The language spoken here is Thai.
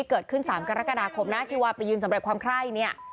ที่เกิดขึ้น๓กรกฎาคมนาธิวะไปยืนสำหรับความไข้